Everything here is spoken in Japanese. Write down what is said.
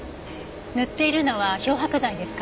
塗っているのは漂白剤ですか？